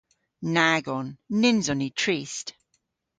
Nag on. Nyns on ni trist.